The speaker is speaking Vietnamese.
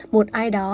một ai đó